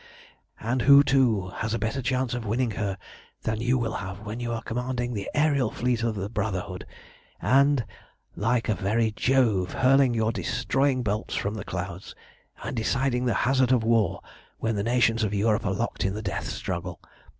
"And who, too, has a better chance of winning her than you will have when you are commanding the aërial fleet of the Brotherhood, and, like a very Jove, hurling your destroying bolts from the clouds, and deciding the hazard of war when the nations of Europe are locked in the death struggle?